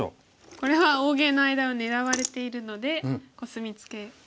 これは大ゲイの間を狙われているのでコスミツケを打ちます。